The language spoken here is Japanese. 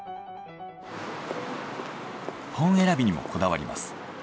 本選びにもこだわります。